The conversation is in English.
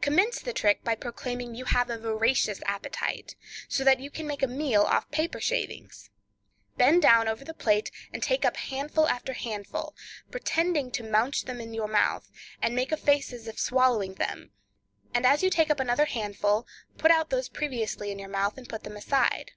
Commence the trick by proclaiming you have a voracious appetite, so that you can make a meal off paper shavings. Bend down over the plate, and take up handful after handful, pretend to mounch them in your mouth, and make a face as if swallowing them, and as you take up another handful, put out those previously in your mouth, and put them aside.